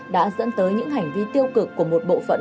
đã dẫn tới những hành vi tiêu cực của một bộ phận